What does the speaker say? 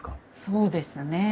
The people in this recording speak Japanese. そうですね。